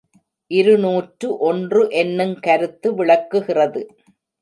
இருநூற்று ஒன்று என்னுங் கருத்து விளக்குகிறது.